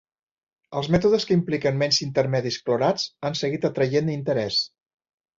Els mètodes que impliquen menys intermedis clorats han seguit atraient interès.